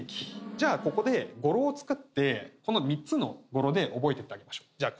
じゃあここで語呂を作ってこの３つの語呂で覚えてってあげましょうじゃあ